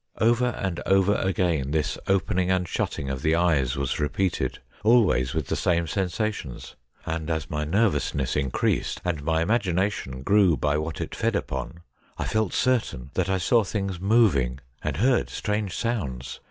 Over and over again this opening and shutting of the eyes was repeated, always with the same sensations ; and as my nervousness increased and my imagination grew by what it fed upon, I felt certain that I saw things moving and heard strange sounds.